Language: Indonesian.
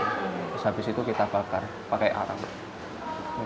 terus habis itu kita bakar pakai arang